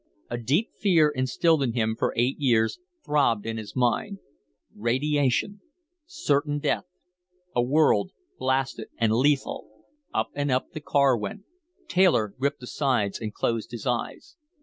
A deep fear, instilled in him for eight years, throbbed in his mind. Radiation, certain death, a world blasted and lethal Up and up the car went. Taylor gripped the sides and closed his eyes.